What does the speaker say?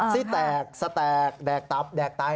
ซิแตรกแสตรกแดกตับแดกไต้